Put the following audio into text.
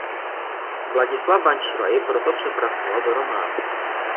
Vladislav Vančura jej proto přepracoval do románu.